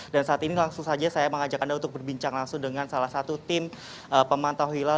dan saat ini langsung saja saya mengajak anda untuk berbincang langsung dengan salah satu tim pemantauan hilal